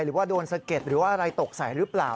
หรือว่าโดนสะเก็ดหรือว่าอะไรตกใส่หรือเปล่า